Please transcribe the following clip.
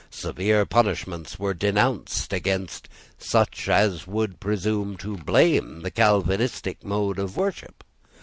Severe punishments were denounced against such as should presume to blame the Calvinistic mode of worship.